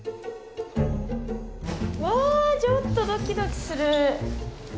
うわちょっとドキドキする。